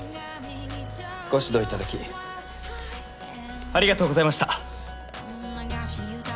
ご指導いただきありがとうございました。